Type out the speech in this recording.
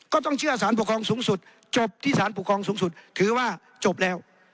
ก็ต้องเชื่อสารปกครองสูงสุดจบที่สารปกครองสูงสุดถือว่าจบแล้ว